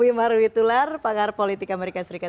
wimar witular pakar politik amerika serikat